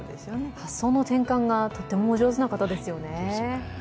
発想の転換がとてもお上手な方ですね。